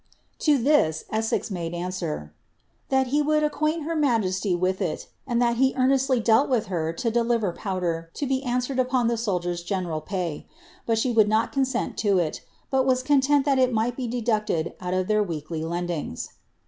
To this Esses made answer, ' that he woulJ acquaint her majesty with it, and that he earnestly dealt with herio deliver powder to be answered upon the soldiers' general pay ; but she would not consent in it, but was content that it might be deducted out of their weekly lendings.'""